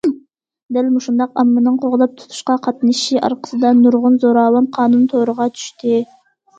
دەل مۇشۇنداق ئاممىنىڭ قوغلاپ تۇتۇشقا قاتنىشىشى ئارقىسىدا، نۇرغۇن زوراۋان قانۇن تورىغا چۈشتى.